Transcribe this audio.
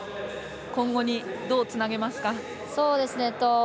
今後にどうつなげますか。